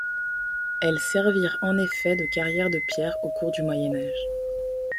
Elles servirent en effet de carrière de pierre au cours du Moyen Âge.